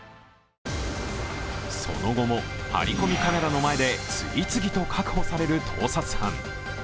その後もハリコミカメラの前で次々と確保される盗撮犯。